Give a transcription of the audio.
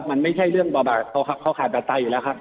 มันไม่ใช่เรื่องบ่าบ่าเขาขาดประตาอยู่แล้วครับ